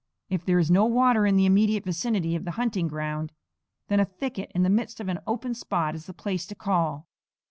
If there is no water in the immediate vicinity of the hunting ground, then a thicket in the midst of an open spot is the place to call.